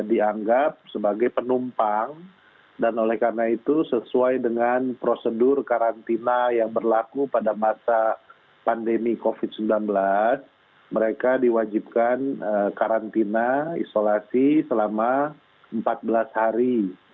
dianggap sebagai penumpang dan oleh karena itu sesuai dengan prosedur karantina yang berlaku pada masa pandemi covid sembilan belas mereka diwajibkan karantina isolasi selama empat belas hari